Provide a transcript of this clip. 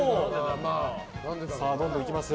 どんどんいきますよ。